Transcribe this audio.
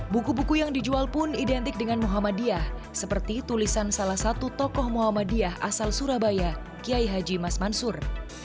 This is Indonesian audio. buku buku yang dijual pun identik dengan muhammadiyah seperti tulisan salah satu tokoh muhammadiyah asal surabaya kiai haji mas mansur